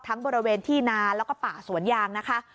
ทั้งบริเวณที่นาและก็ป่าศวนยาง